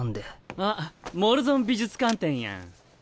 あっ「モルゾン美術館展」やん。